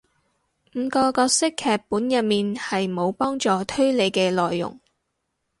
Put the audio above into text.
五個角色劇本入面係無幫助推理嘅內容